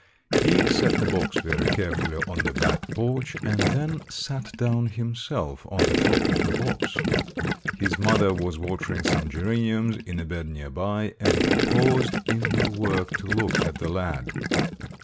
He set the box very carefully on the back porch and then sat down himself on the top of the box. His mother was watering some geraniums in a bed near by and paused in her work to look at the lad.